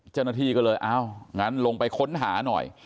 เจ้าหน้าที่ก็เลยอ้าวงั้นลงไปค้นหาหน่อย